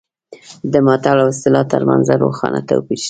د متل او اصطلاح ترمنځ روښانه توپیر شته